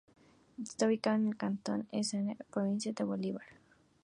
Está ubicado en el cantón Echeandía, provincia de Bolívar.